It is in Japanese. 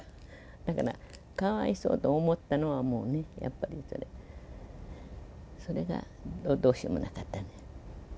だから、かわいそうと思ったのはもうね、やっぱり、それがどうしようもなかったね。